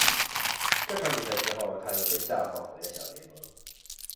这场比赛之后他又被下放回了小联盟。